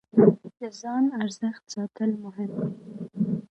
د ځان ارزښت ساتل مهم دی.